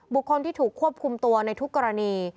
บุคคลที่ถูกควบคุมตัวในทุกกรณี